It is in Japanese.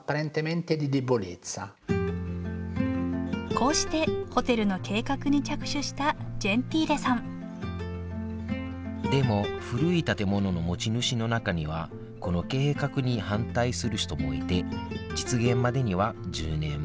こうしてホテルの計画に着手したジェンティーレさんでも古い建物の持ち主の中にはこの計画に反対する人もいて実現までには１０年もかかったそうだよ